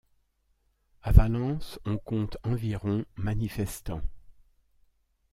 À Valence, on compte environ manifestants.